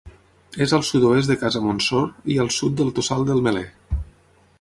És al sud-oest de Casa Montsor i al sud del Tossal del Meler.